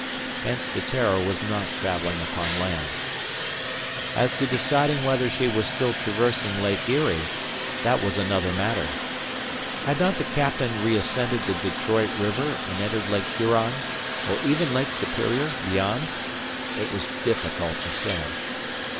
Hence the "Terror" was not traveling upon land. As to deciding whether she was still traversing Lake Erie, that was another matter. Had not the Captain reascended the Detroit River, and entered Lake Huron, or even Lake Superior beyond? It was difficult to say.